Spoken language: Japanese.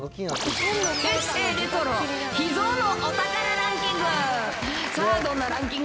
平成レトロ、秘蔵のお宝ランキング。